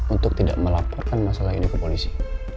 untuk tidak melaporkan masalah ini ke polisi